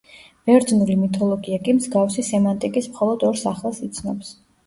ბერძნული მითოლოგია კი მსგავსი სემანტიკის მხოლოდ ორ სახელს იცნობს.